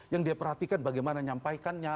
yang dia perhatikan bagaimana nyampaikannya